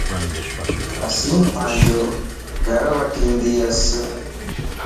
اسين پانجو گھر وٺندياسين